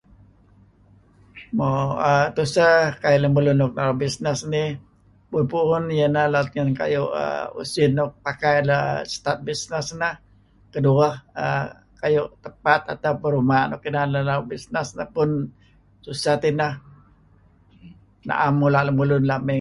Mo tuseh kayu' lemulun nuk naru' business nih pu'un-pu'un iyeh neh let ngen kayu' usin luk pakai deh start business neh, kedueh kayu' tempat atau pun ruma' nuk inan deh naru' business neh pun tuseh tineh na'em mula' lemulun la' mey.